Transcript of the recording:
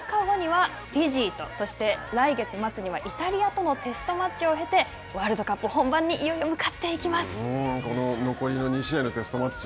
６日後にはフィジーと、そして来月末にはイタリアとのテストマッチを経て、ワールドカップ本番に残りの２試合のテストマッチ